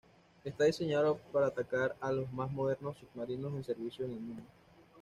Está diseñado para atacar a los más modernos submarinos en servicio en el mundo.